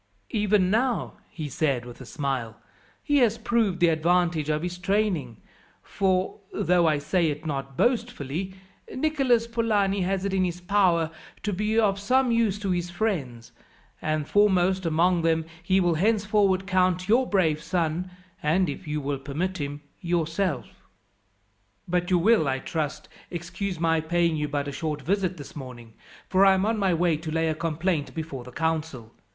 "Even now," he said with a smile, "he has proved the advantage of his training; for, though I say it not boastfully, Nicholas Polani has it in his power to be of some use to his friends, and foremost among them he will henceforward count your brave son, and, if you will permit him, yourself. "But you will, I trust, excuse my paying you but a short visit this morning, for I am on my way to lay a complaint before the council.